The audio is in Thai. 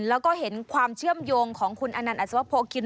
แล้วก็เห็นความเชื่อมโยงของคุณอนันต์อัศวโพคิน